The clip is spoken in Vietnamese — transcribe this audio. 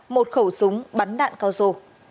một khẩu súng bắn đạn cao sổ